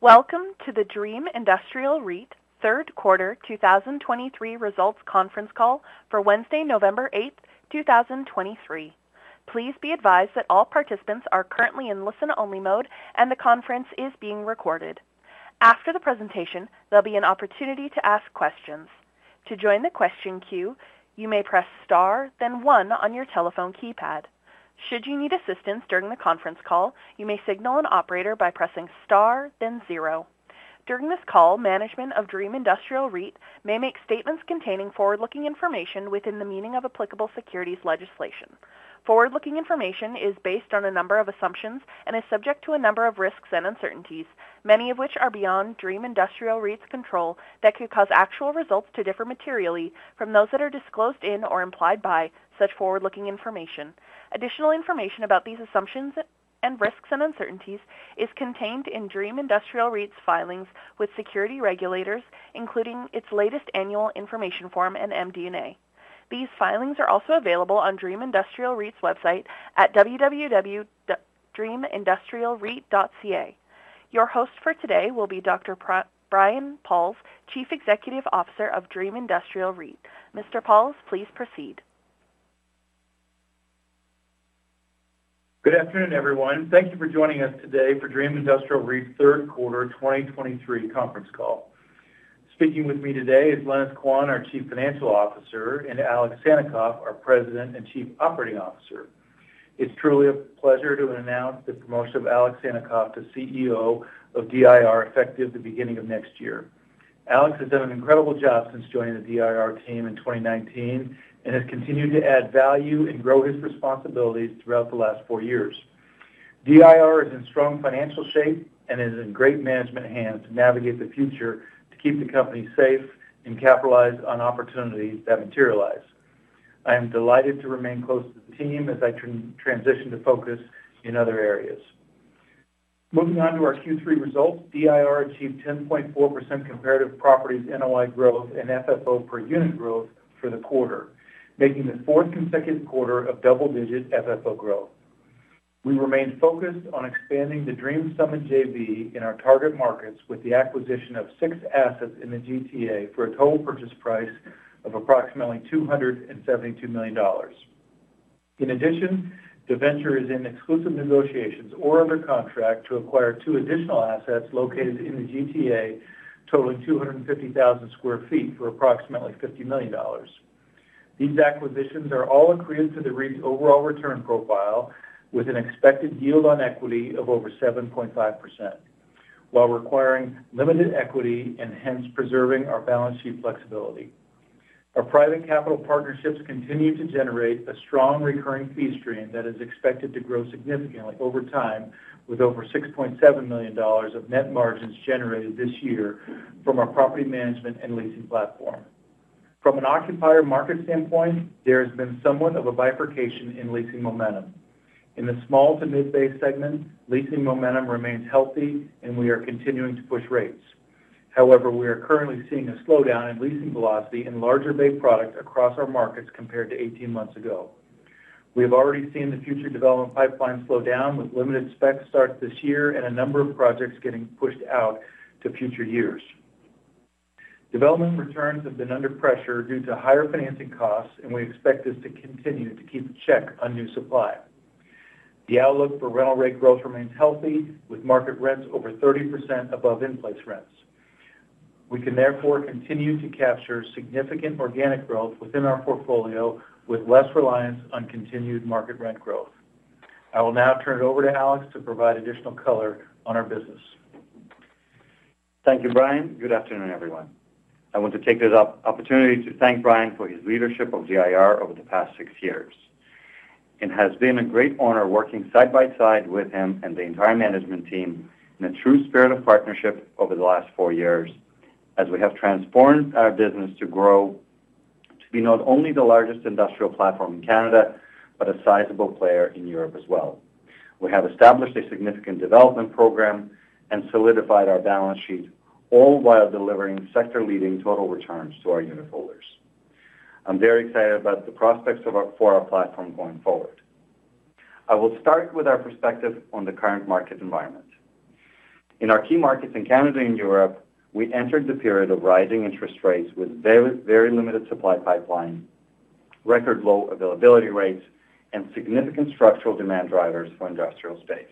Welcome to the Dream Industrial REIT Third Quarter 2023 Results Conference Call for Wednesday, November 8, 2023. Please be advised that all participants are currently in listen-only mode, and the conference is being recorded. After the presentation, there'll be an opportunity to ask questions. To join the question queue, you may press star, then one on your telephone keypad. Should you need assistance during the conference call, you may signal an operator by pressing star, then zero. During this call, management of Dream Industrial REIT may make statements containing forward-looking information within the meaning of applicable securities legislation. Forward-looking information is based on a number of assumptions and is subject to a number of risks and uncertainties, many of which are beyond Dream Industrial REIT's control, that could cause actual results to differ materially from those that are disclosed in or implied by such forward-looking information. Additional information about these assumptions and risks and uncertainties is contained in Dream Industrial REIT's filings with security regulators, including its latest annual information form and MD&A. These filings are also available on Dream Industrial REIT's website at www.dreamindustrialreit.ca. Your host for today will be Brian Pauls, Chief Executive Officer of Dream Industrial REIT. Mr. Pauls, please proceed. Good afternoon, everyone. Thank you for joining us today for Dream Industrial REIT's Third Quarter 2023 Conference Call. Speaking with me today is Lenis Quan, our Chief Financial Officer, and Alex Sannikov, our President and Chief Operating Officer. It's truly a pleasure to announce the promotion of Alex Sannikov to CEO of DIR, effective the beginning of next year. Alex has done an incredible job since joining the DIR team in 2019 and has continued to add value and grow his responsibilities throughout the last four years. DIR is in strong financial shape and is in great management hands to navigate the future, to keep the company safe and capitalize on opportunities that materialize. I am delighted to remain close to the team as I transition to focus in other areas. Moving on to our Q3 results, DIR achieved 10.4% comparative properties NOI growth, and FFO per unit growth for the quarter, making the fourth consecutive quarter of double-digit FFO growth. We remained focused on expanding the Dream Summit JV in our target markets, with the acquisition of 6 assets in the GTA for a total purchase price of approximately 272 million dollars. In addition, the venture is in exclusive negotiations or under contract to acquire 2 additional assets located in the GTA, totaling 250,000 sq ft for approximately 50 million dollars. These acquisitions are all accretive to the REIT's overall return profile, with an expected yield on equity of over 7.5%, while requiring limited equity and hence preserving our balance sheet flexibility. Our private capital partnerships continue to generate a strong recurring fee stream that is expected to grow significantly over time, with over 6.7 million dollars of net margins generated this year from our property management and leasing platform. From an occupier market standpoint, there has been somewhat of a bifurcation in leasing momentum. In the small to mid-bay segment, leasing momentum remains healthy, and we are continuing to push rates. However, we are currently seeing a slowdown in leasing velocity in larger bay products across our markets compared to 18 months ago. We have already seen the future development pipeline slow down, with limited spec starts this year and a number of projects getting pushed out to future years. Development returns have been under pressure due to higher financing costs, and we expect this to continue to keep a check on new supply. The outlook for rental rate growth remains healthy, with market rents over 30% above in-place rents. We can therefore continue to capture significant organic growth within our portfolio with less reliance on continued market rent growth. I will now turn it over to Alex to provide additional color on our business. Thank you, Brian. Good afternoon, everyone. I want to take this opportunity to thank Brian for his leadership of DIR over the past six years. It has been a great honor working side by side with him and the entire management team in a true spirit of partnership over the last four years, as we have transformed our business to grow to be not only the largest industrial platform in Canada, but a sizable player in Europe as well. We have established a significant development program and solidified our balance sheet, all while delivering sector-leading total returns to our unitholders. I'm very excited about the prospects for our platform going forward. I will start with our perspective on the current market environment. In our key markets in Canada and Europe, we entered the period of rising interest rates with very, very limited supply pipeline, record low availability rates, and significant structural demand drivers for industrial space.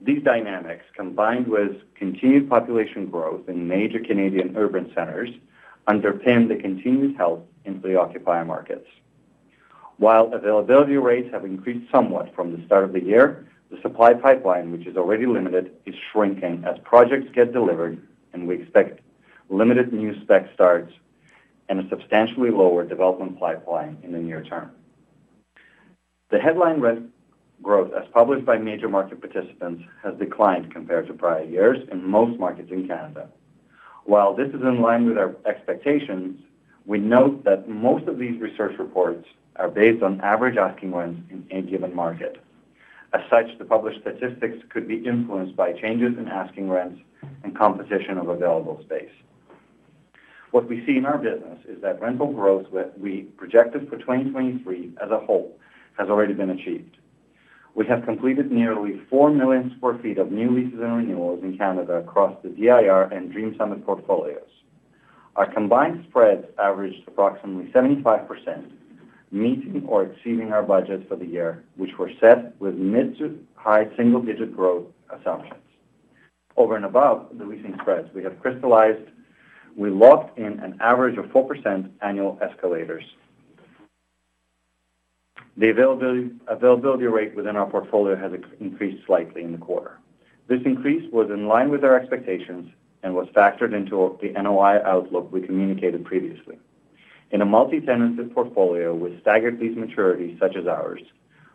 These dynamics, combined with continued population growth in major Canadian urban centers, underpin the continued health into the occupier markets. While availability rates have increased somewhat from the start of the year, the supply pipeline, which is already limited, is shrinking as projects get delivered, and we expect limited new spec starts and a substantially lower development pipeline in the near term. The headline rent growth, as published by major market participants, has declined compared to prior years in most markets in Canada. While this is in line with our expectations, we note that most of these research reports are based on average asking rents in any given market. As such, the published statistics could be influenced by changes in asking rents and composition of available space. What we see in our business is that rental growth, we projected for 2023 as a whole, has already been achieved. We have completed nearly 4 million sq ft of new leases and renewals in Canada across the DIR and Dream Center portfolios. Our combined spreads averaged approximately 75%, meeting or exceeding our budgets for the year, which were set with mid to high single-digit growth assumptions. Over and above the leasing spreads, we have crystallized, we locked in an average of 4% annual escalators. The availability, availability rate within our portfolio has increased slightly in the quarter. This increase was in line with our expectations and was factored into the NOI outlook we communicated previously. In a multi-tenancy portfolio with staggered lease maturities such as ours,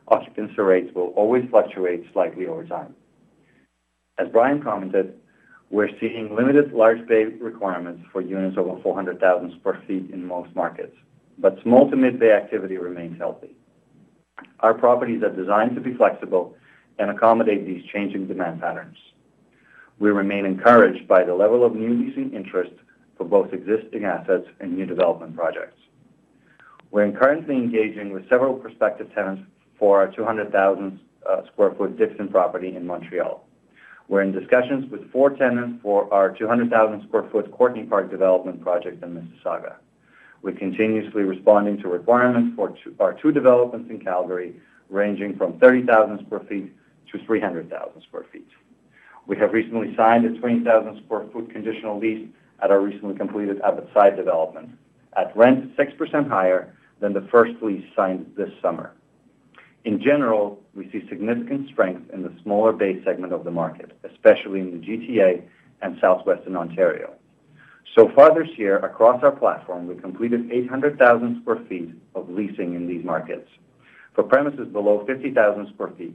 occupancy rates will always fluctuate slightly over time. As Brian commented, we're seeing limited large bay requirements for units over 400,000 sq ft in most markets, but small to mid bay activity remains healthy. Our properties are designed to be flexible and accommodate these changing demand patterns. We remain encouraged by the level of new leasing interest for both existing assets and new development projects. We're currently engaging with several prospective tenants for our 200,000 sq ft Dickson property in Montreal. We're in discussions with four tenants for our 200,000 sq ft Courtneypark development project in Mississauga. We're continuously responding to requirements for our two developments in Calgary, ranging from 30,000-300,000 sq ft. We have recently signed a 20,000 sq ft conditional lease at our recently completed Abbotside development, at rent 6% higher than the first lease signed this summer. In general, we see significant strength in the smaller bay segment of the market, especially in the GTA and Southwestern Ontario. So far this year, across our platform, we completed 800,000 sq ft of leasing in these markets. For premises below 50,000 sq ft,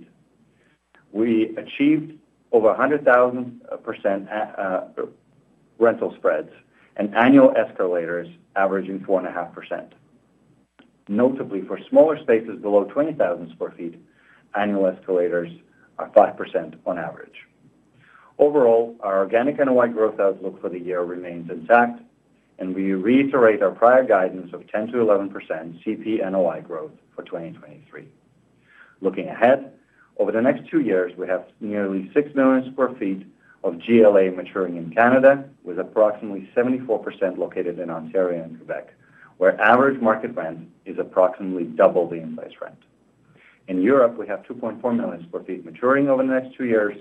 we achieved over 100,000% rental spreads and annual escalators averaging 4.5%. Notably, for smaller spaces below 20,000 sq ft, annual escalators are 5% on average. Overall, our organic NOI growth outlook for the year remains intact, and we reiterate our prior guidance of 10%-11% CP NOI growth for 2023. Looking ahead, over the next two years, we have nearly 6 million sq ft of GLA maturing in Canada, with approximately 74% located in Ontario and Quebec, where average market rent is approximately double the in-place rent. In Europe, we have 2.4 million sq ft maturing over the next two years,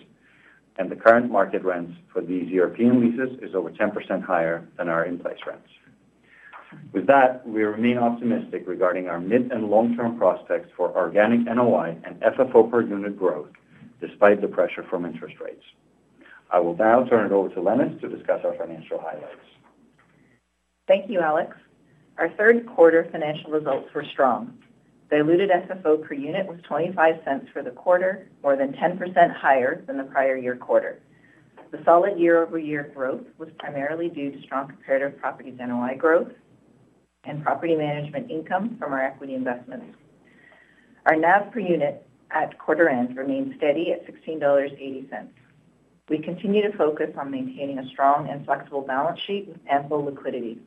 and the current market rents for these European leases is over 10% higher than our in-place rents. With that, we remain optimistic regarding our mid- and long-term prospects for organic NOI and FFO per unit growth, despite the pressure from interest rates. I will now turn it over to Lenis to discuss our financial highlights. Thank you, Alex. Our third quarter financial results were strong. The diluted FFO per unit was 0.25 for the quarter, more than 10% higher than the prior year quarter. The solid year-over-year growth was primarily due to strong comparative properties NOI growth and property management income from our equity investments. Our NAV per unit at quarter end remains steady at 16.80 dollars. We continue to focus on maintaining a strong and flexible balance sheet with ample liquidity.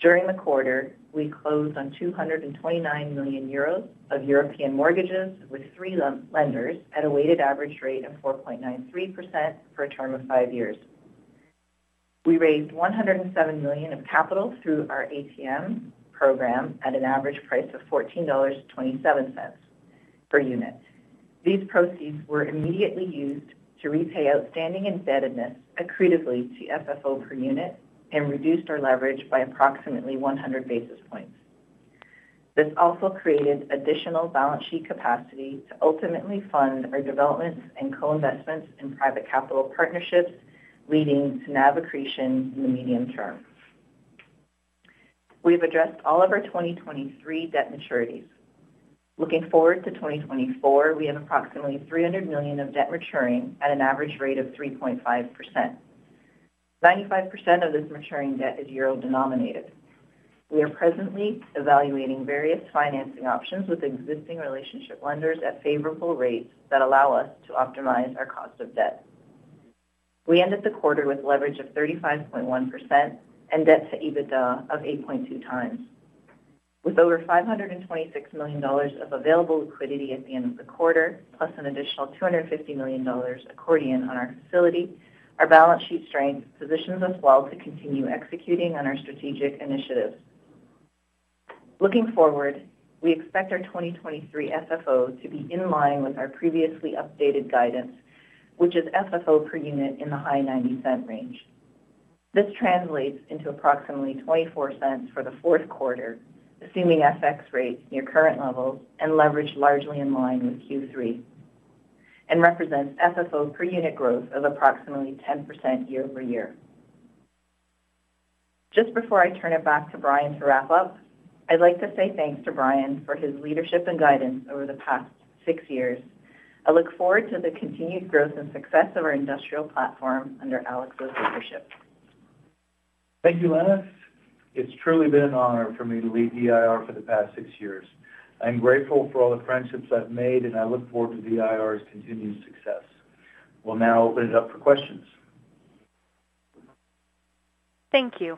During the quarter, we closed on 229 million euros of European mortgages with three lenders at a weighted average rate of 4.93% for a term of five years. We raised 107 million of capital through our ATM program at an average price of 14.27 dollars per unit. These proceeds were immediately used to repay outstanding indebtedness accretively to FFO per unit, and reduced our leverage by approximately 100 basis points. This also created additional balance sheet capacity to ultimately fund our developments and co-investments in private capital partnerships, leading to NAV accretion in the medium term. We've addressed all of our 2023 debt maturities. Looking forward to 2024, we have approximately 300 million of debt maturing at an average rate of 3.5%. 95% of this maturing debt is euro-denominated. We are presently evaluating various financing options with existing relationship lenders at favorable rates that allow us to optimize our cost of debt. We ended the quarter with leverage of 35.1% and debt to EBITDA of 8.2 times. With over 526 million dollars of available liquidity at the end of the quarter, plus an additional 250 million dollars accordion on our facility, our balance sheet strength positions us well to continue executing on our strategic initiatives. Looking forward, we expect our 2023 FFO to be in line with our previously updated guidance, which is FFO per unit in the high 90-cent range. This translates into approximately 24 cents for the fourth quarter, assuming FX rates near current levels and leverage largely in line with Q3, and represents FFO per unit growth of approximately 10% year-over-year. Just before I turn it back to Brian to wrap up, I'd like to say thanks to Brian for his leadership and guidance over the past six years. I look forward to the continued growth and success of our industrial platform under Alex's leadership. Thank you, Lenis. It's truly been an honor for me to lead DIR for the past six years. I'm grateful for all the friendships I've made, and I look forward to DIR's continued success.... We'll now open it up for questions. Thank you.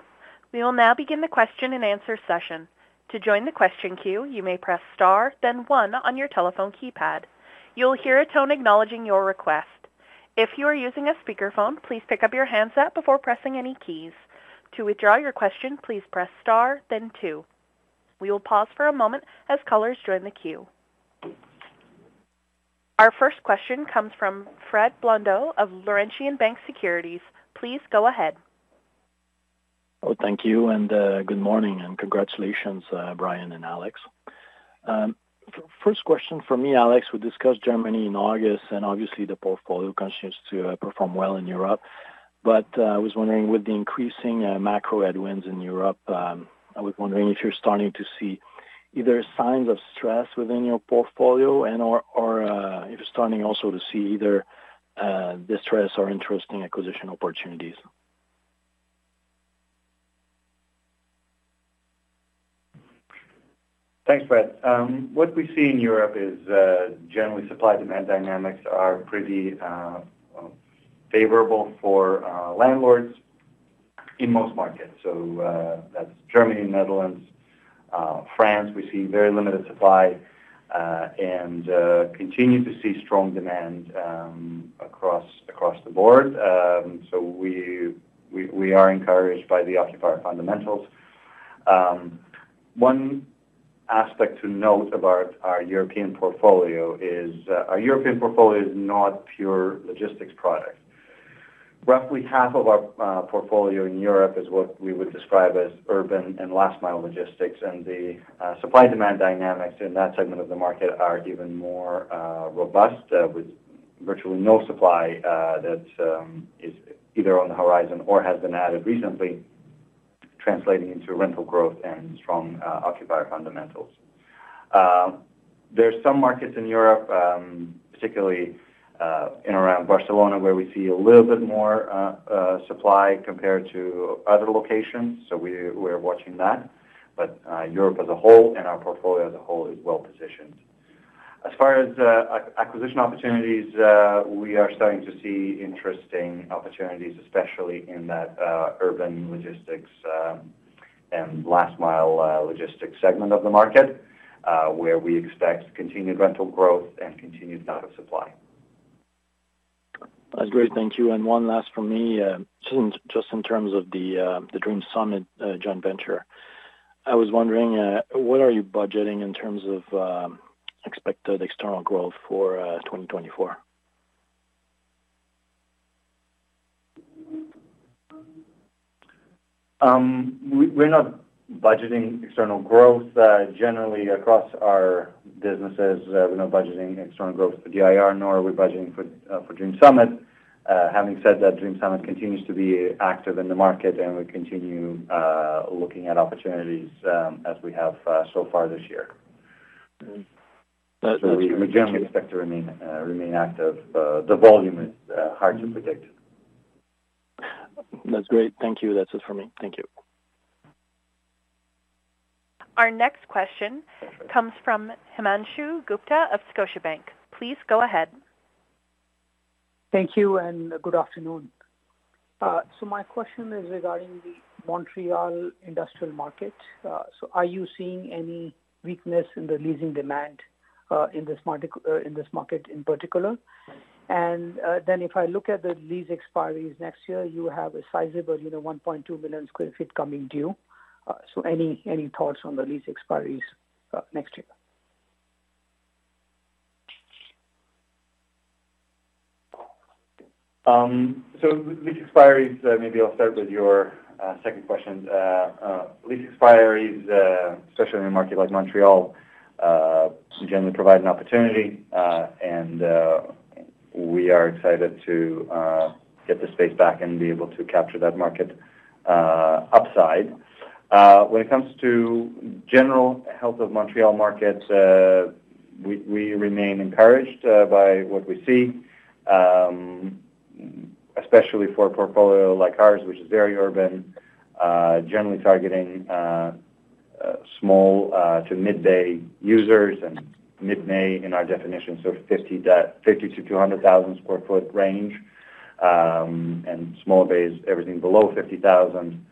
We will now begin the Question and Answer session. To join the question queue, you may press star then one on your telephone keypad. You'll hear a tone acknowledging your request. If you are using a speakerphone, please pick up your handset before pressing any keys. To withdraw your question, please press star then two. We will pause for a moment as callers join the queue. Our first question comes from Frederic Blondeau of Laurentian Bank Securities. Please go ahead. Oh, thank you, and good morning, and congratulations, Brian and Alex. First question from me, Alex. We discussed Germany in August, and obviously the portfolio continues to perform well in Europe. But I was wondering, with the increasing macro headwinds in Europe, I was wondering if you're starting to see either signs of stress within your portfolio and/or if you're starting also to see either distress or interesting acquisition opportunities? Thanks, Fred. What we see in Europe is, generally supply-demand dynamics are pretty, favorable for, landlords in most markets. So, that's Germany, Netherlands, France, we see very limited supply, and, continue to see strong demand, across, across the board. So we are encouraged by the occupier fundamentals. One aspect to note about our European portfolio is, our European portfolio is not pure logistics product. Roughly half of our, portfolio in Europe is what we would describe as urban and last mile logistics, and the, supply-demand dynamics in that segment of the market are even more, robust, with virtually no supply, that, is either on the horizon or has been added recently, translating into rental growth and strong, occupier fundamentals. There are some markets in Europe, particularly in and around Barcelona, where we see a little bit more supply compared to other locations, so we are watching that. But Europe as a whole and our portfolio as a whole is well positioned. As far as acquisition opportunities, we are starting to see interesting opportunities, especially in that urban logistics and last mile logistics segment of the market, where we expect continued rental growth and continued lack of supply. That's great. Thank you. One last from me. Just in terms of the Dream Summit joint venture, I was wondering what are you budgeting in terms of expected external growth for 2024? We're not budgeting external growth generally across our businesses. We're not budgeting external growth for DIR, nor are we budgeting for Dream Summit. Having said that, Dream Summit continues to be active in the market, and we continue looking at opportunities as we have so far this year. That- So we generally expect to remain active. The volume is hard to predict. That's great. Thank you. That's it for me. Thank you. Our next question comes from Himanshu Gupta of Scotiabank. Please go ahead. Thank you, and good afternoon. So my question is regarding the Montreal industrial market. So are you seeing any weakness in the leasing demand, in this market, in this market in particular? And, then if I look at the lease expiries next year, you have a sizable, you know, 1.2 million sq ft coming due. So any, any thoughts on the lease expiries, next year? Lease expiries, maybe I'll start with your second question. Lease expiries, especially in a market like Montreal, generally provide an opportunity, and we are excited to get the space back and be able to capture that market upside. When it comes to general health of Montreal market, we remain encouraged by what we see, especially for a portfolio like ours, which is very urban, generally targeting small to mid bay users, and mid bay in our definition, so 50 to 200,000 sq ft range. And small bays, everything below 50,000,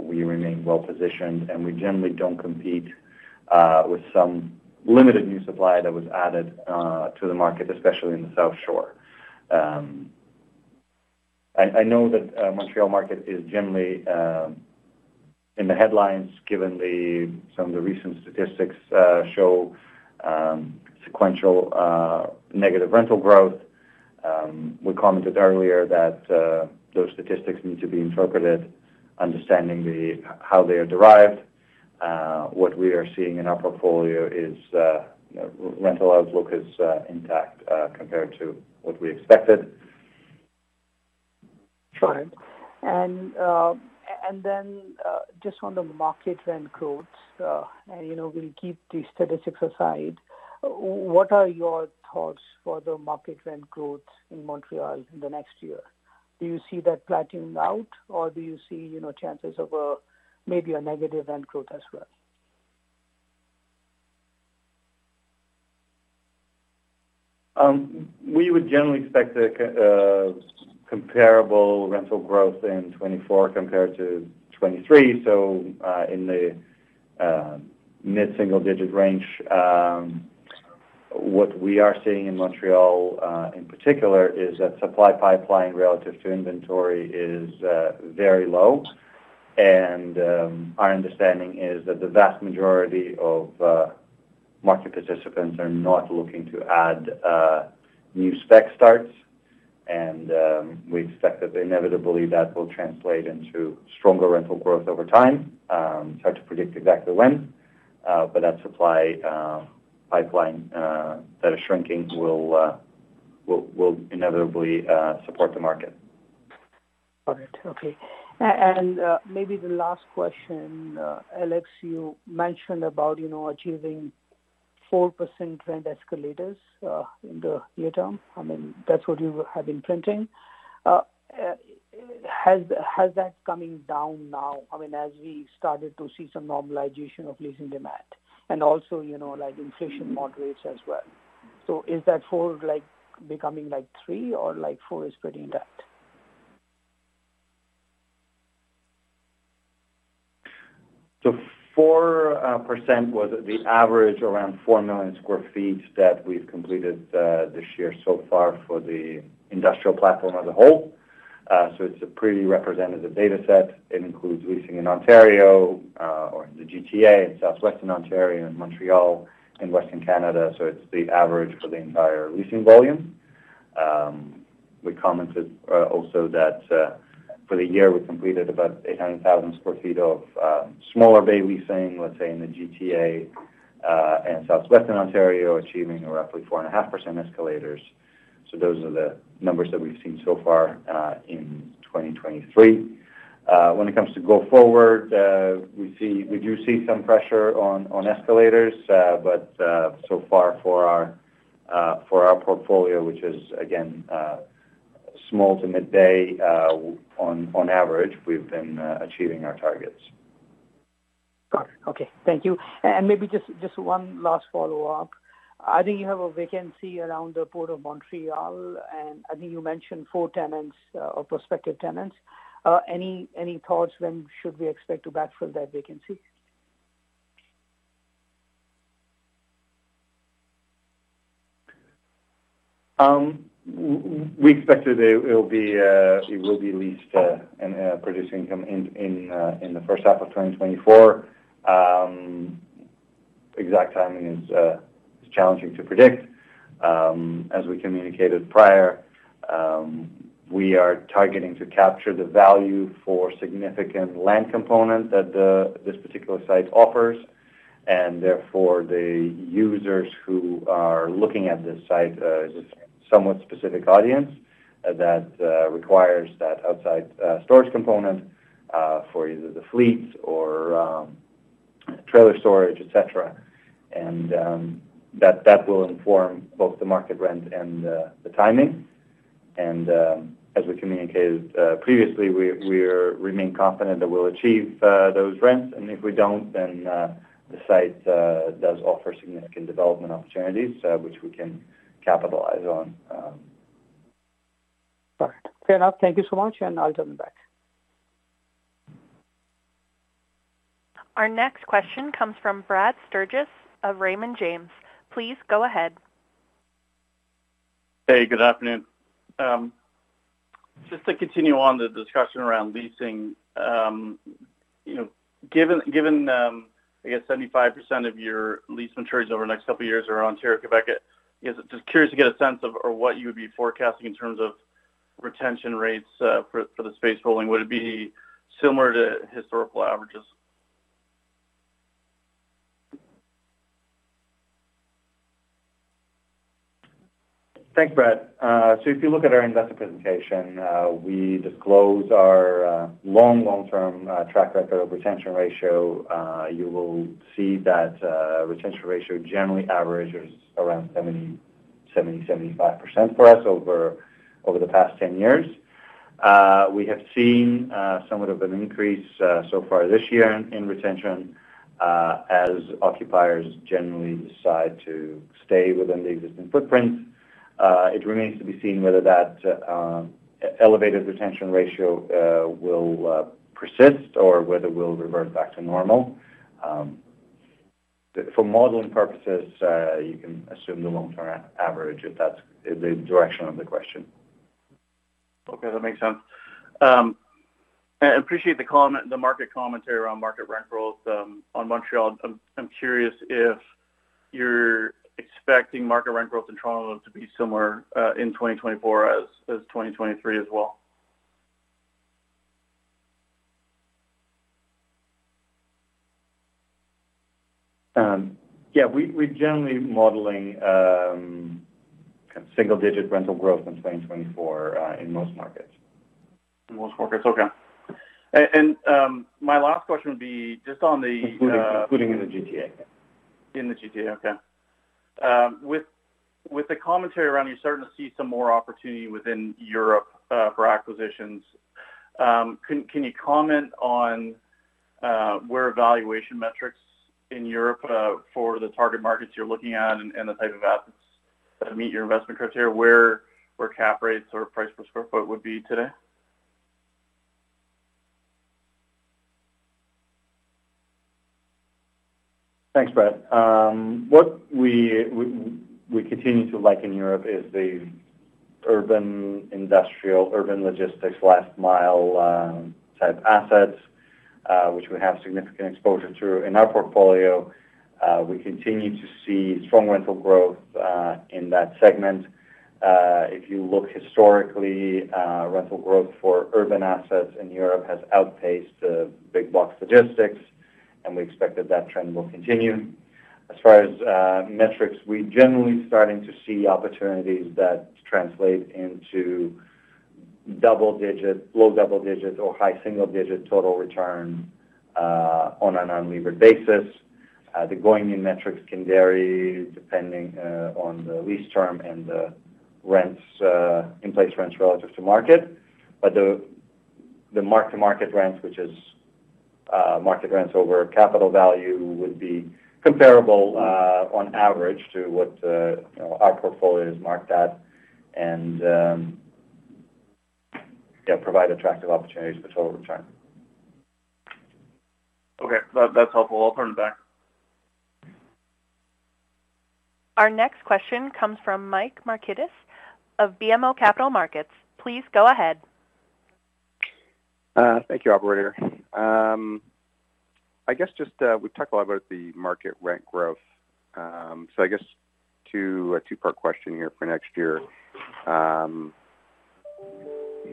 we remain well positioned, and we generally don't compete with some limited new supply that was added to the market, especially in the South Shore. I know that Montreal market is generally in the headlines, given the... Some of the recent statistics show sequential negative rental growth. We commented earlier that those statistics need to be interpreted, understanding how they are derived. What we are seeing in our portfolio is, you know, rental outlook is intact, compared to what we expected. Sure. And then, just on the market rent growth, and, you know, we'll keep the statistics aside. What are your thoughts for the market rent growth in Montreal in the next year? Do you see that flattening out, or do you see, you know, chances of maybe a negative rent growth as well?... We would generally expect a comparable rental growth in 2024 compared to 2023. So, in the mid-single digit range. What we are seeing in Montreal, in particular, is that supply pipeline relative to inventory is very low. And, our understanding is that the vast majority of market participants are not looking to add new spec starts. And, we expect that inevitably that will translate into stronger rental growth over time. It's hard to predict exactly when, but that supply pipeline that is shrinking will inevitably support the market. Got it. Okay. And maybe the last question. Alex, you mentioned about, you know, achieving 4% rent escalators in the near term. I mean, that's what you have been printing. Has that coming down now? I mean, as we started to see some normalization of leasing demand, and also, you know, like, inflation moderates as well. So is that 4, like, becoming, like, 3, or, like, 4 is pretty intact? So 4% was the average around 4 million sq ft that we've completed this year so far for the industrial platform as a whole. So it's a pretty representative data set. It includes leasing in Ontario, or in the GTA, in Southwestern Ontario, and Montreal, in Western Canada, so it's the average for the entire leasing volume. We commented also that, for the year, we completed about 800,000 sq ft of smaller bay leasing, let's say, in the GTA, and Southwestern Ontario, achieving roughly 4.5% escalators. So those are the numbers that we've seen so far in 2023. When it comes to go forward, we do see some pressure on escalators, but so far for our portfolio, which is, again, small to mid bay, on average, we've been achieving our targets. Got it. Okay, thank you. And maybe just one last follow-up. I think you have a vacancy around the Port of Montreal, and I think you mentioned four tenants or prospective tenants. Any thoughts when should we expect to backfill that vacancy? We expect it will be leased and producing income in the first half of 2024. Exact timing is challenging to predict. As we communicated prior, we are targeting to capture the value for significant land component that this particular site offers. And therefore, the users who are looking at this site is a somewhat specific audience that requires that outside storage component for either the fleets or trailer storage, et cetera. And that will inform both the market rent and the timing. And as we communicated previously, we're remain confident that we'll achieve those rents, and if we don't, then the site does offer significant development opportunities which we can capitalize on. All right. Fair enough. Thank you so much, and I'll turn it back. Our next question comes from Brad Sturges of Raymond James. Please go ahead. Hey, good afternoon. Just to continue on the discussion around leasing. You know, given, I guess 75% of your lease maturities over the next couple of years are Ontario, Quebec, I guess, just curious to get a sense of, or what you would be forecasting in terms of retention rates, for the space pooling. Would it be similar to historical averages? Thanks, Brad. So if you look at our investor presentation, we disclose our long-term track record of retention ratio. You will see that retention ratio generally averages around 70%-75% for us over the past 10 years. We have seen somewhat of an increase so far this year in retention as occupiers generally decide to stay within the existing footprint. It remains to be seen whether that elevated retention ratio will persist or whether it will revert back to normal. But for modeling purposes, you can assume the long-term average, if that's the direction of the question. Okay, that makes sense. I appreciate the comment, the market commentary around market rent growth on Montreal. I'm curious if you're expecting market rent growth in Toronto to be similar in 2024 as 2023 as well? Yeah, we, we're generally modeling kind of single-digit rental growth in 2024 in most markets. In most markets. Okay. And, my last question would be just on the, Including in the GTA. In the GTA, okay. With the commentary around, you're starting to see some more opportunity within Europe for acquisitions. Can you comment on where valuation metrics in Europe for the target markets you're looking at and the type of assets that meet your investment criteria, where cap rates or price per square foot would be today? Thanks, Brett. What we continue to like in Europe is the urban industrial urban logistics last mile type assets, which we have significant exposure to in our portfolio. We continue to see strong rental growth in that segment. If you look historically, rental growth for urban assets in Europe has outpaced the big box logistics, and we expect that that trend will continue. As far as metrics, we're generally starting to see opportunities that translate into double digit, low double digit or high single digit total return on an unlevered basis. The going-in metrics can vary depending on the lease term and the rents in place rents relative to market. The mark-to-market rents, which is market rents over capital value, would be comparable, on average, to what, you know, our portfolio is marked at, and yeah provide attractive opportunities for total return. Okay. That, that's helpful. I'll turn it back. Our next question comes from Mike Markidis of BMO Capital Markets. Please go ahead. Thank you, operator. I guess just, we've talked a lot about the market rent growth. So I guess a two-part question here for next year.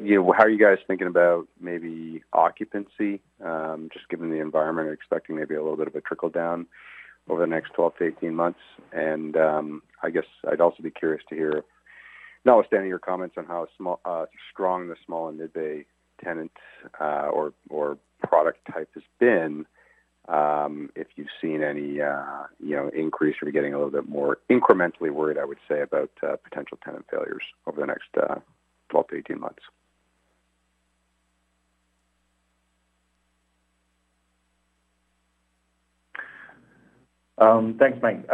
You know, how are you guys thinking about maybe occupancy, just given the environment, expecting maybe a little bit of a trickle-down over the next 12 to 18 months? And, I guess I'd also be curious to hear, notwithstanding your comments on how strong the small and mid-bay tenants, or, or product type has been, if you've seen any, you know, increase, or you're getting a little bit more incrementally worried, I would say, about, potential tenant failures over the next, 12 to 18 months. Thanks, Mike.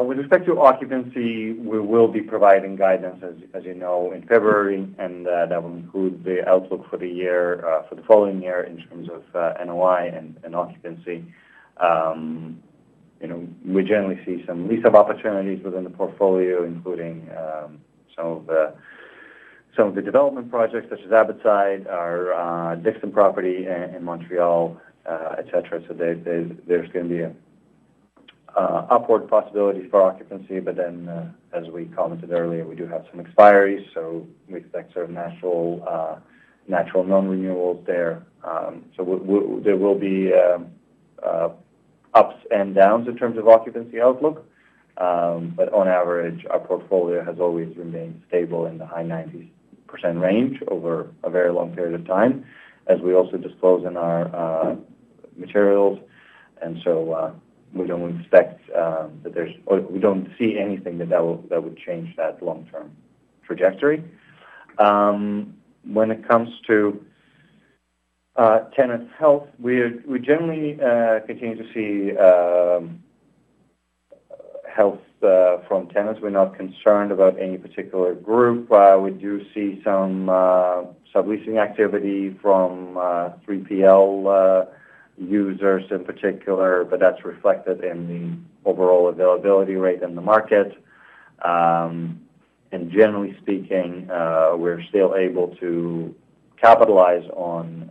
With respect to occupancy, we will be providing guidance, as you know, in February, and that will include the outlook for the year for the following year in terms of NOI and occupancy. You know, we generally see some lease-up opportunities within the portfolio, including some of the development projects such as Abbotside, our Dickson property in Montreal, et cetera. So there's gonna be an upward possibility for occupancy. But then, as we commented earlier, we do have some expiries, so we expect sort of natural non-renewals there. So there will be ups and downs in terms of occupancy outlook. But on average, our portfolio has always remained stable in the high 90% range over a very long period of time, as we also disclose in our materials. We don't expect that there's... Or we don't see anything that will that would change that long-term trajectory. When it comes to tenant health, we generally continue to see health from tenants. We're not concerned about any particular group. We do see some subleasing activity from 3PL users in particular, but that's reflected in the overall availability rate in the market. Generally speaking, we're still able to capitalize on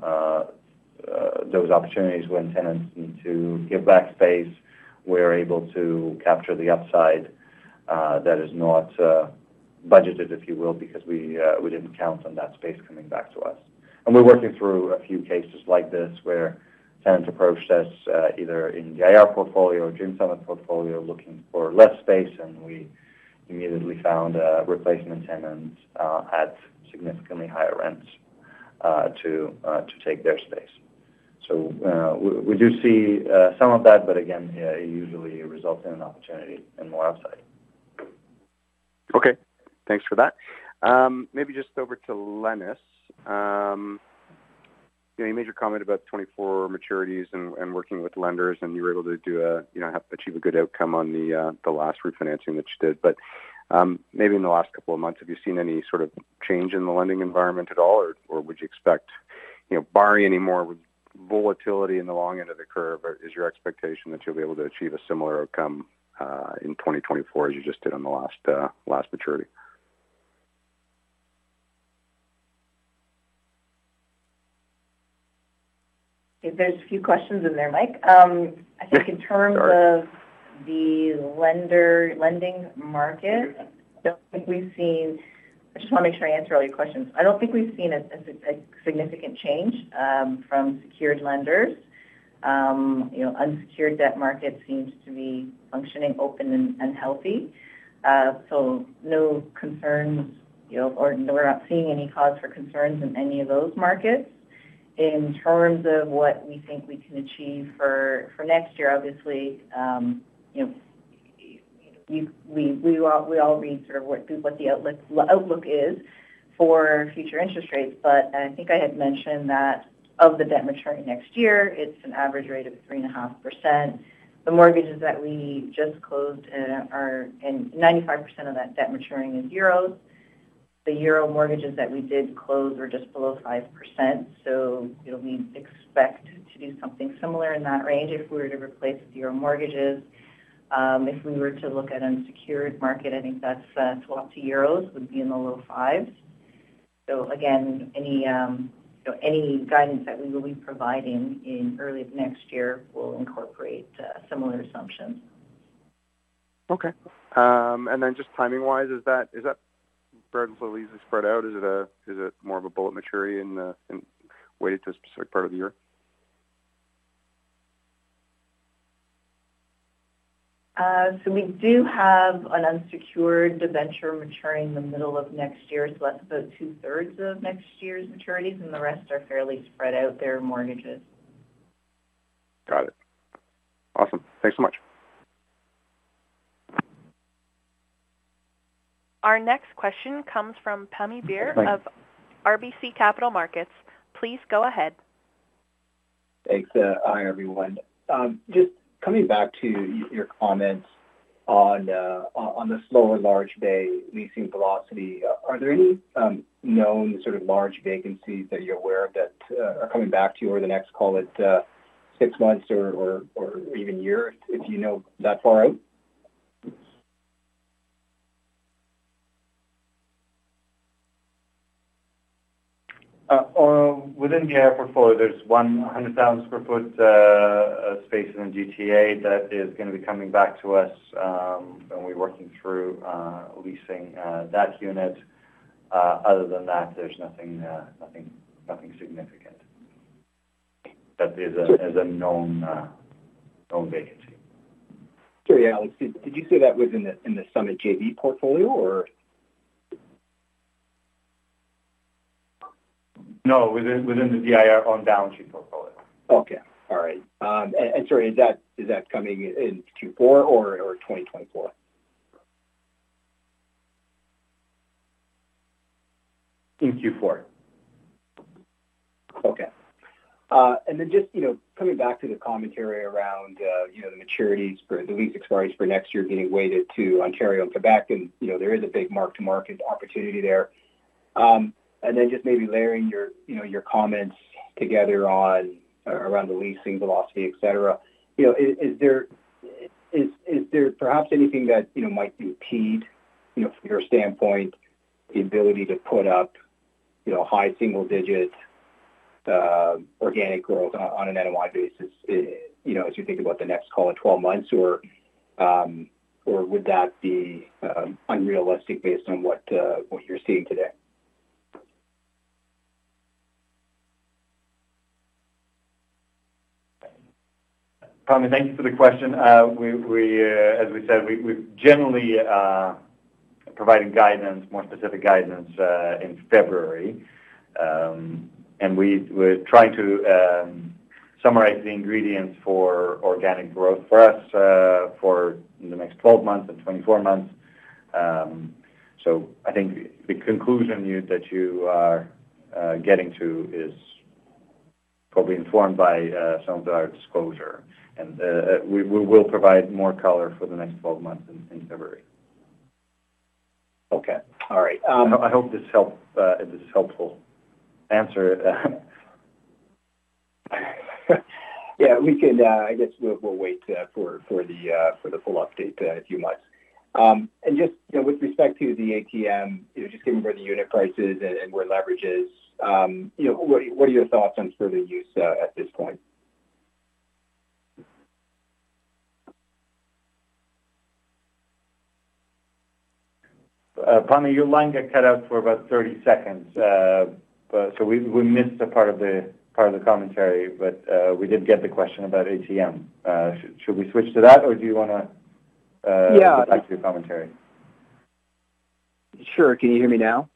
those opportunities. When tenants need to give back space, we're able to capture the upside, that is not budgeted, if you will, because we, we didn't count on that space coming back to us. And we're working through a few cases like this, where tenants approached us, either in the IR portfolio or Dream Summit portfolio, looking for less space, and we immediately found replacement tenants at significantly higher rents to, to take their space. So, we, we do see some of that, but again, it usually results in an opportunity on the well side. Okay, thanks for that. Maybe just over to Lenis. You know, you made your comment about 24 maturities and, and working with lenders, and you were able to do a, you know, have achieve a good outcome on the, the last refinancing that you did. But, maybe in the last couple of months, have you seen any sort of change in the lending environment at all, or, or would you expect, you know, barring any more volatility in the long end of the curve, is your expectation that you'll be able to achieve a similar outcome, in 2024 as you just did on the last, last maturity? There's a few questions in there, Mike. I think in terms- Sorry. of the lender, lending market, I don't think we've seen. I just wanna make sure I answer all your questions. I don't think we've seen a significant change from secured lenders. You know, unsecured debt market seems to be functioning open and healthy. So no concerns, you know, or we're not seeing any cause for concerns in any of those markets. In terms of what we think we can achieve for next year, obviously, you know, we all read sort of what the outlook is for future interest rates. But I think I had mentioned that of the debt maturing next year, it's an average rate of 3.5%. The mortgages that we just closed are—and 95% of that debt maturing is euros. The euro mortgages that we did close are just below 5%, so, you know, we expect to do something similar in that range if we were to replace the euro mortgages. If we were to look at unsecured market, I think that's, swap to euros would be in the low 5s. So again, any, you know, any guidance that we will be providing in early next year will incorporate, similar assumptions. Okay. And then just timing-wise, is that, is that relatively spread out? Is it a, is it more of a bullet maturity in the, in weighted to a specific part of the year? So we do have an unsecured debenture maturing in the middle of next year, so that's about two-thirds of next year's maturities, and the rest are fairly spread out. They're mortgages. Got it. Awesome. Thanks so much. Our next question comes from Pammi Bir- Thank you. Of RBC Capital Markets. Please go ahead. Thanks. Hi, everyone. Just coming back to your comments on the slow and large bay leasing velocity. Are there any known sort of large vacancies that you're aware of that are coming back to you or the next, call it, six months or even year, if you know that far out? Within our portfolio, there's 100,000 sq ft space in the GTA that is gonna be coming back to us, and we're working through leasing that unit. Other than that, there's nothing significant. That is a known vacancy. Sorry, Alex, did you say that was in the Summit JV portfolio or? No, within the DIR on balance sheet portfolio. Okay. All right. And sorry, is that coming in Q4 or 2024? In Q4. Okay. And then just, you know, coming back to the commentary around, you know, the maturities for the lease expiries for next year getting weighted to Ontario and Quebec, and, you know, there is a big mark-to-market opportunity there. And then just maybe layering your, you know, your comments together on, around the leasing velocity, et cetera. You know, is there perhaps anything that, you know, might be repeat, you know, from your standpoint, the ability to put up, you know, high single digit, organic growth on an NOI basis, you know, as you think about the next call in 12 months, or would that be unrealistic based on what you're seeing today? Pammi, thank you for the question. We, as we said, we've generally providing guidance, more specific guidance, in February. And we're trying to summarize the ingredients for organic growth for us, for the next 12 months and 24 months. So I think the conclusion that you are getting to is probably informed by some of our disclosure, and we will provide more color for the next 12 months in February. Okay. All right, I hope this help, this is helpful answer. Yeah, we can, I guess we'll wait for the full update in a few months. And just, you know, with respect to the ATM, you know, just given where the unit price is and where leverage is, you know, what are your thoughts on further use at this point? Pammi, your line got cut out for about 30 seconds. But so we, we missed a part of the, part of the commentary, but we did get the question about ATM. Should, should we switch to that, or do you wanna... Yeah. Get back to your commentary? Sure. Can you hear me now?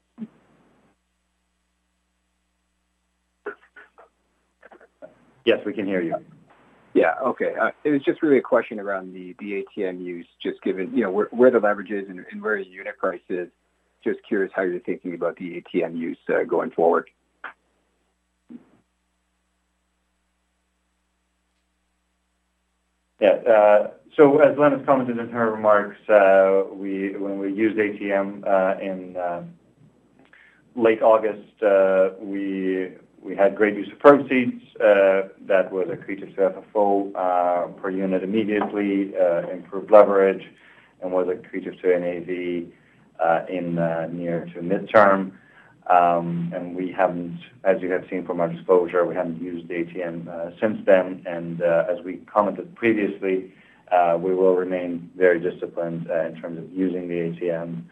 Yes, we can hear you. Yeah. Okay. It was just really a question around the ATM use, just given, you know, where the leverage is and where the unit price is. Just curious how you're thinking about the ATM use going forward? Yeah. So as Lenis commented in her remarks, when we used ATM in late August, we had great use of proceeds. That was accretive to FFO per unit immediately, improved leverage and was accretive to NAV in near to midterm. And we haven't, as you have seen from our disclosure, used ATM since then. And as we commented previously, we will remain very disciplined in terms of using the ATM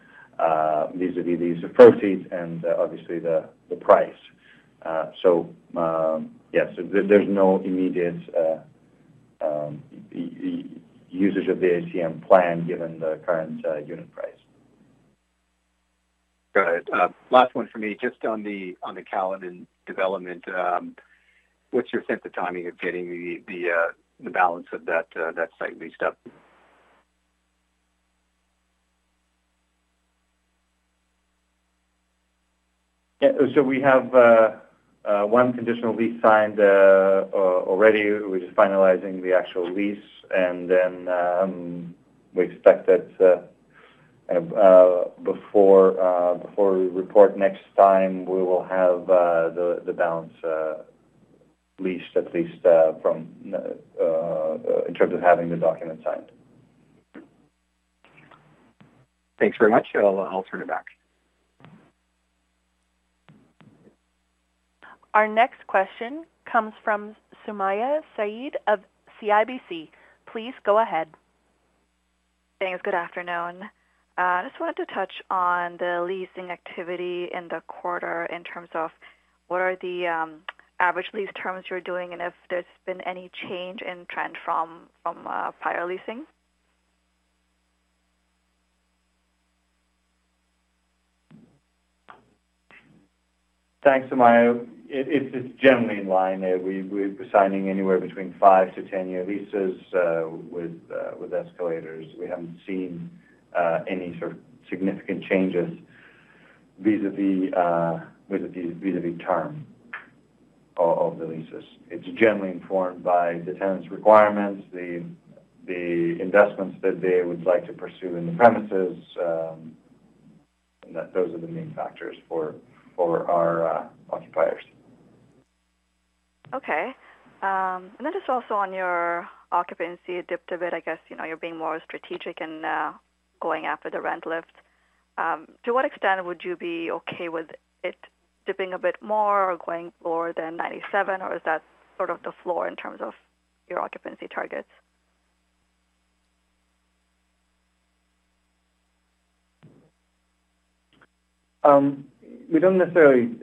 vis-à-vis the use of proceeds and obviously the price. So yes, there's no immediate usage of the ATM plan given the current unit price.... Good. Last one for me, just on the, on the Caledon development. What's your sense of timing of getting the balance of that site leased up? Yeah. So we have one conditional lease signed already. We're just finalizing the actual lease, and then we expect that before we report next time, we will have the balance leased, at least from in terms of having the document signed. Thanks very much. I'll turn it back. Our next question comes from Sumayya Syed of CIBC. Please go ahead. Thanks. Good afternoon. I just wanted to touch on the leasing activity in the quarter in terms of what are the average lease terms you're doing, and if there's been any change in trend from prior leasing? Thanks, Sumayya. It's generally in line. We're signing anywhere between 5- to 10-year leases with escalators. We haven't seen any sort of significant changes vis-à-vis the term of the leases. It's generally informed by the tenant's requirements, the investments that they would like to pursue in the premises, and that those are the main factors for our occupiers. Okay. Just also on your occupancy, it dipped a bit. I guess, you know, you're being more strategic in going after the rent lift. To what extent would you be okay with it dipping a bit more or going lower than 97%, or is that sort of the floor in terms of your occupancy targets? We don't necessarily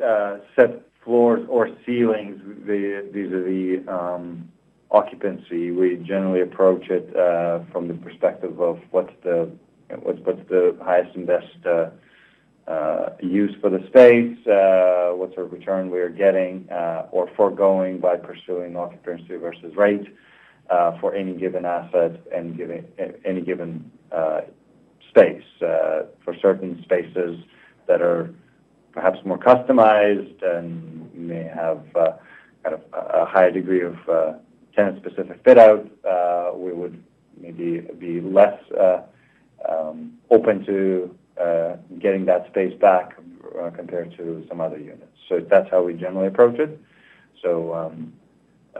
set floors or ceilings vis-à-vis occupancy. We generally approach it from the perspective of what's the highest and best use for the space? What's the return we are getting or foregoing by pursuing occupancy versus rate for any given asset and giving any given space. For certain spaces that are perhaps more customized and may have kind of a high degree of tenant-specific fit out, we would maybe be less open to getting that space back compared to some other units. So that's how we generally approach it. So,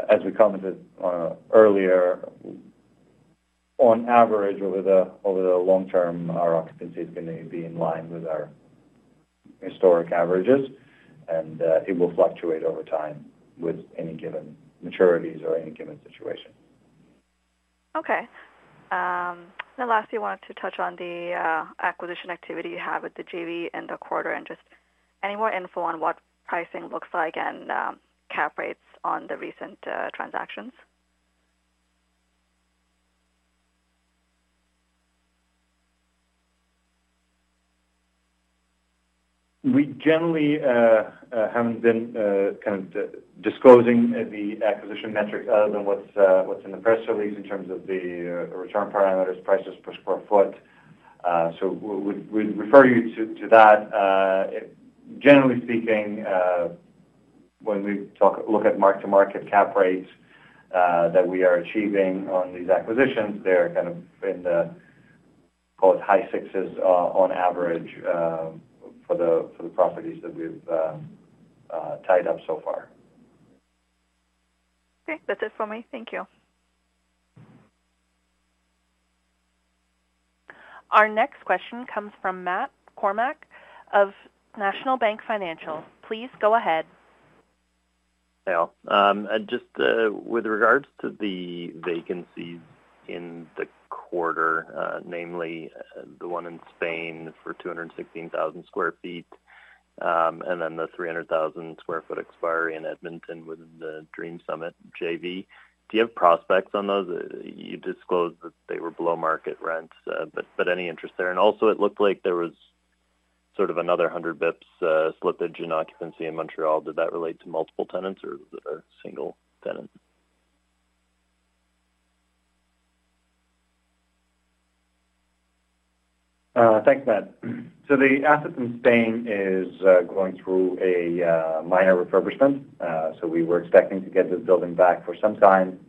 as we commented on earlier, on average, over the long term, our occupancy is going to be in line with our historic averages, and it will fluctuate over time with any given maturities or any given situation. Okay. And lastly, I wanted to touch on the acquisition activity you have with the JV in the quarter, and just any more info on what pricing looks like and cap rates on the recent transactions? We generally haven't been kind of disclosing the acquisition metrics other than what's in the press release in terms of the return parameters, prices per square foot. We'd refer you to that. Generally speaking, when we look at mark-to-market cap rates that we are achieving on these acquisitions, they're kind of in the, call it, high sixes on average for the properties that we've tied up so far. Okay. That's it for me. Thank you. Our next question comes from Matt Kornack of National Bank Financial. Please go ahead. Hello. Just with regards to the vacancies in the quarter, namely the one in Spain for 216,000 sq ft, and then the 300,000 sq ft expiry in Edmonton with the Dream Summit JV. Do you have prospects on those? You disclosed that they were below market rents, but any interest there? And also, it looked like there was sort of another 100 basis points slippage in occupancy in Montreal. Did that relate to multiple tenants, or was it a single tenant? Thanks, Matt. So the asset in Spain is going through a minor refurbishment, so we were expecting to get this building back for some time.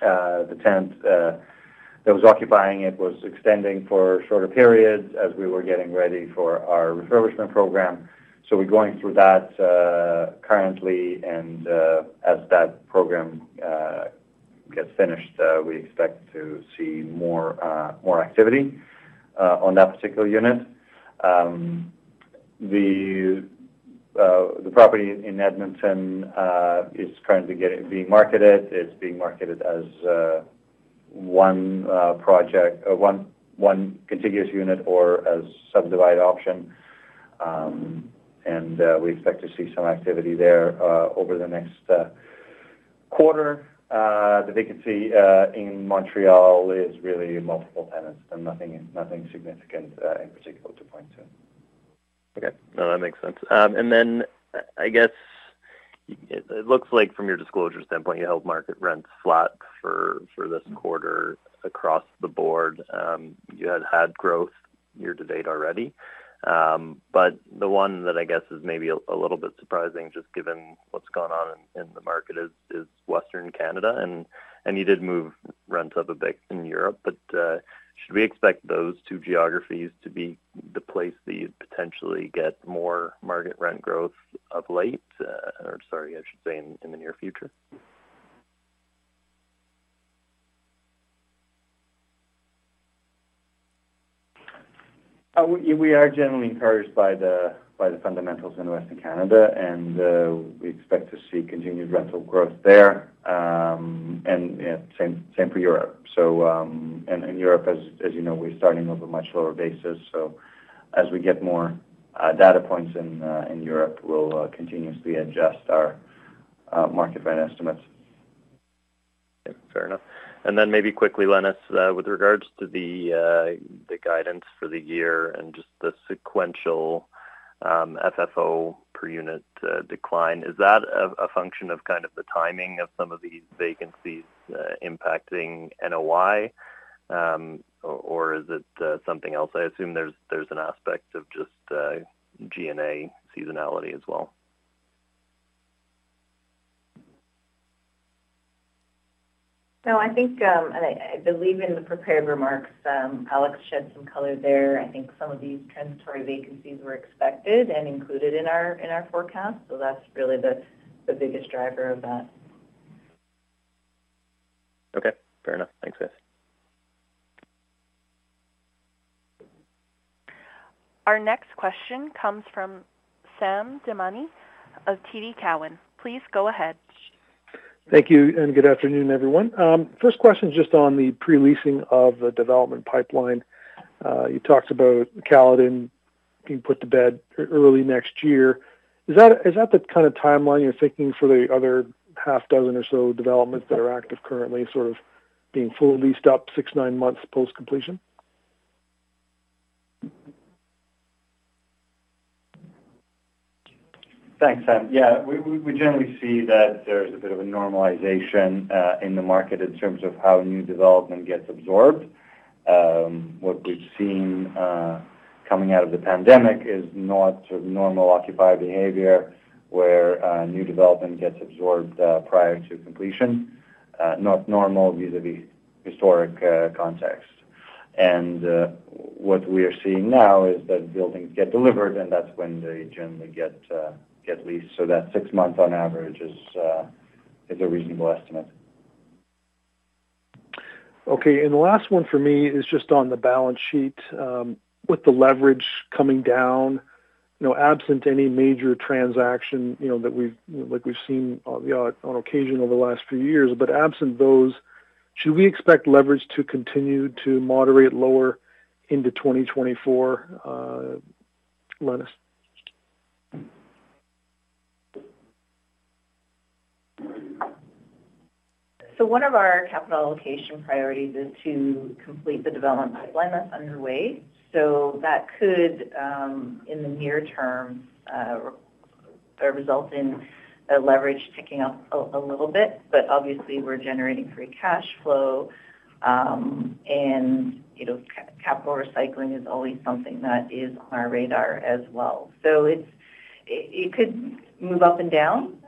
The tenant that was occupying it was extending for shorter periods as we were getting ready for our refurbishment program. So we're going through that currently, and as that program gets finished, we expect to see more activity on that particular unit. The property in Edmonton is currently being marketed. It's being marketed as one project, one contiguous unit or a subdivide option. And we expect to see some activity there over the next few months quarter, the vacancy in Montreal is really multiple tenants and nothing significant in particular to point to. Okay. No, that makes sense. And then I guess it looks like from your disclosure standpoint, you held market rents flat for this quarter across the board. You had had growth year-to-date already. But the one that I guess is maybe a little bit surprising, just given what's gone on in the market is Western Canada, and you did move rents up a bit in Europe. But should we expect those two geographies to be the place that you'd potentially get more market rent growth of late? Or sorry, I should say, in the near future? We are generally encouraged by the fundamentals in Western Canada, and we expect to see continued rental growth there. And same for Europe. And in Europe, as you know, we're starting off a much lower basis. So as we get more data points in Europe, we'll continuously adjust our market rent estimates. Okay. Fair enough. And then maybe quickly, Lenis, with regards to the guidance for the year and just the sequential FFO per unit decline, is that a function of kind of the timing of some of these vacancies impacting NOI? Or is it something else? I assume there's an aspect of just G&A seasonality as well. So I think I believe in the prepared remarks, Alex shed some color there. I think some of these transitory vacancies were expected and included in our forecast, so that's really the biggest driver of that. Okay. Fair enough. Thanks, guys. Our next question comes from Sam Damiani of TD Cowen. Please go ahead. Thank you, and good afternoon, everyone. First question, just on the pre-leasing of the development pipeline. You talked about Caledon being put to bed early next year. Is that, is that the kind of timeline you're thinking for the other half dozen or so developments that are active currently, sort of being fully leased up 6-9 months post-completion? Thanks, Sam. Yeah, we generally see that there's a bit of a normalization in the market in terms of how new development gets absorbed. What we've seen coming out of the pandemic is not sort of normal occupied behavior, where new development gets absorbed prior to completion. Not normal vis-à-vis historic context. What we are seeing now is that buildings get delivered, and that's when they generally get leased. So that six months on average is a reasonable estimate. Okay. And the last one for me is just on the balance sheet. With the leverage coming down, you know, absent any major transaction, you know, that we've, like we've seen on the, on occasion over the last few years, but absent those, should we expect leverage to continue to moderate lower into 2024, Lenis? So one of our capital allocation priorities is to complete the development pipeline that's underway. So that could, in the near term, result in a leverage ticking up a little bit, but obviously, we're generating free cash flow. And, you know, capital recycling is always something that is on our radar as well. So it could move up and down.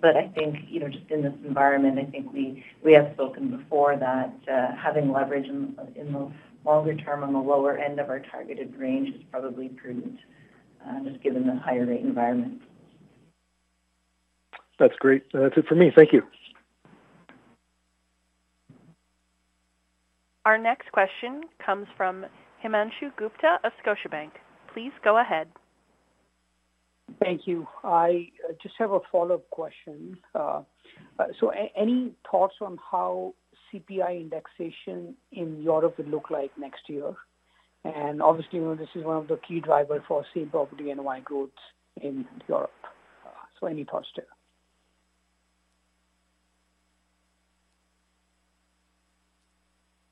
But I think, you know, just in this environment, I think we have spoken before that, having leverage in the longer term, on the lower end of our targeted range is probably prudent, just given the higher rate environment. That's great. That's it for me. Thank you. Our next question comes from Himanshu Gupta of Scotiabank. Please go ahead. Thank you. I just have a follow-up question. So any thoughts on how CPI indexation in Europe will look like next year? And obviously, you know, this is one of the key drivers for same property NOI growth in Europe. So any thoughts there?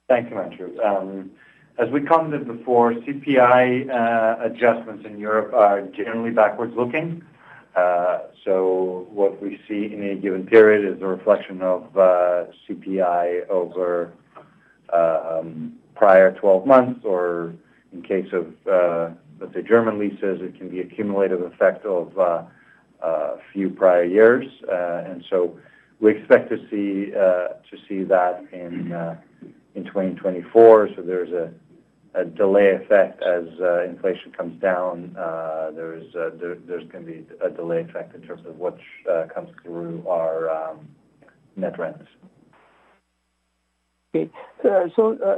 Thank you, Himanshu. As we commented before, CPI adjustments in Europe are generally backwards looking. So what we see in a given period is a reflection of CPI over prior 12 months, or in case of, let's say, German leases, it can be accumulative effect of a few prior years. And so we expect to see that in 2024. So there's a delay effect as inflation comes down. There's going to be a delay effect in terms of what comes through our net rents. Okay. So,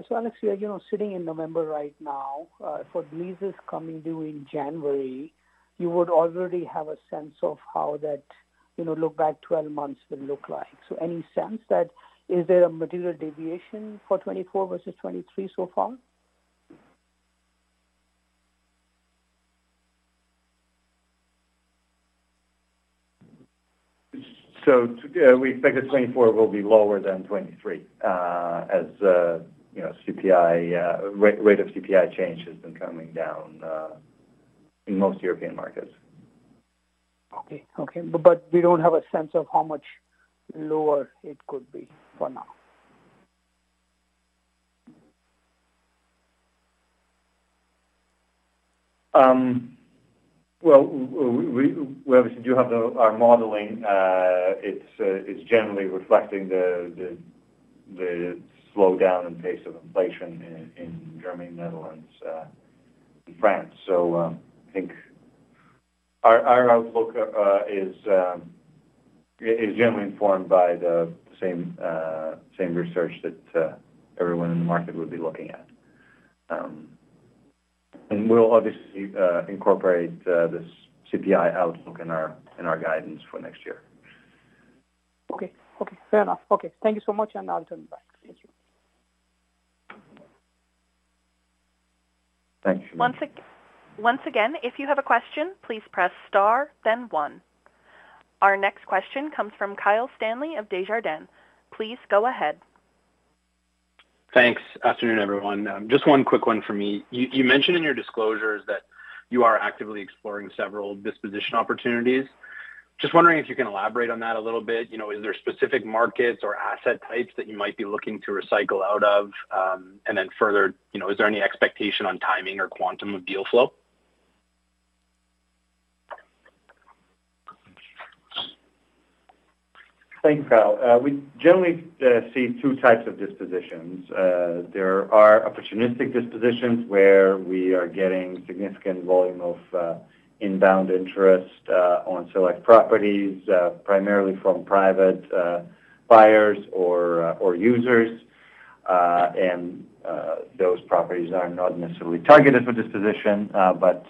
so Alex, you are, you know, sitting in November right now. For leases coming due in January, you would already have a sense of how that, you know, look back 12 months will look like. So any sense that, is there a material deviation for 2024 versus 2023 so far? ... So too, we expect that 2024 will be lower than 2023, as you know, CPI rate of CPI change has been coming down in most European markets. Okay. Okay. But we don't have a sense of how much lower it could be for now? Well, we obviously do have our modeling. It's generally reflecting the slowdown in pace of inflation in Germany, Netherlands, and France. So, I think our outlook is generally informed by the same research that everyone in the market would be looking at. And we'll obviously incorporate this CPI outlook in our guidance for next year. Okay. Okay, fair enough. Okay, thank you so much, and I'll turn it back. Thank you. Thank you. Once again, if you have a question, please press star then one. Our next question comes from Kyle Stanley of Desjardins. Please go ahead. Thanks. Afternoon, everyone. Just one quick one for me. You mentioned in your disclosures that you are actively exploring several disposition opportunities. Just wondering if you can elaborate on that a little bit. You know, is there specific markets or asset types that you might be looking to recycle out of? And then further, you know, is there any expectation on timing or quantum of deal flow? Thanks, Kyle. We generally see two types of dispositions. There are opportunistic dispositions where we are getting significant volume of inbound interest on select properties primarily from private buyers or users. And those properties are not necessarily targeted for disposition, but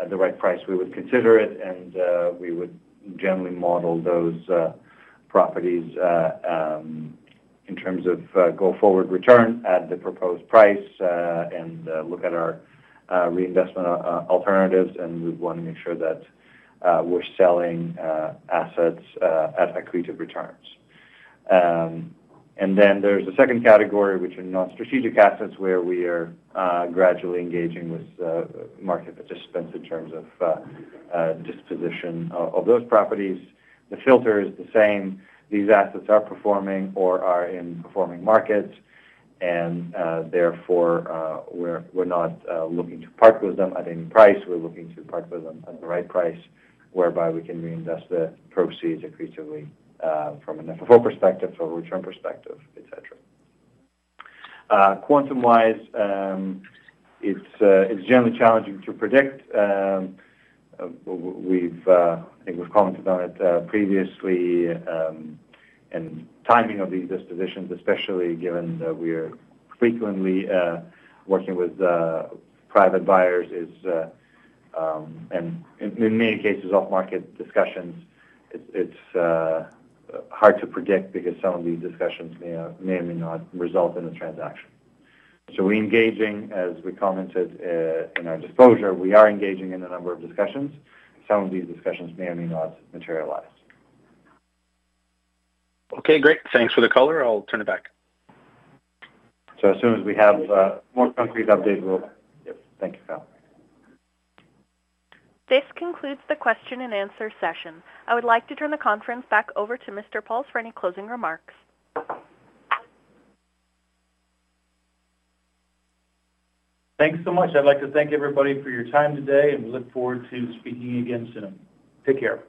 at the right price, we would consider it, and we would generally model those properties in terms of go forward return at the proposed price, and look at our reinvestment alternatives. And we'd want to make sure that we're selling assets at accretive returns. And then there's a second category, which are non-strategic assets, where we are gradually engaging with market participants in terms of disposition of those properties. The filter is the same. These assets are performing or are in performing markets, and therefore we're not looking to part with them at any price. We're looking to part with them at the right price, whereby we can reinvest the proceeds accretively from an FFO perspective, from a return perspective, et cetera. Quantum-wise, it's generally challenging to predict. I think we've commented on it previously. And timing of these dispositions, especially given that we are frequently working with private buyers, is and in many cases, off-market discussions, it's hard to predict because some of these discussions may or may not result in a transaction. So we're engaging, as we commented, in our disclosure, we are engaging in a number of discussions. Some of these discussions may or may not materialize. Okay, great. Thanks for the color. I'll turn it back. As soon as we have more concrete update, we'll... Yep. Thank you, Kyle. This concludes the Question and Answer session. I would like to turn the conference back over to Mr. Pauls for any closing remarks. Thanks so much. I'd like to thank everybody for your time today, and we look forward to speaking again soon. Take care.